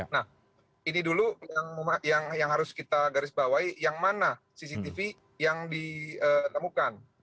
nah ini dulu yang harus kita garis bawahi yang mana cctv yang ditemukan